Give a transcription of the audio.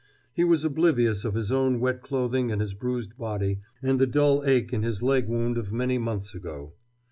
He was oblivious of his own wet clothing and his bruised body and the dull ache in his leg wound of many months ago.